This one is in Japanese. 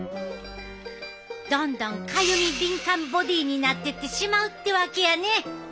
どんどんかゆみ敏感ボディーになっていってしまうってわけやね。